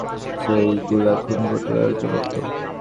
যেই গুলা খুন করতে ব্যবহৃত করত।